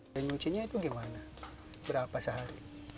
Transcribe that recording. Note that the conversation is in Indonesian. rindu cuciannya itu gimana berapa sehari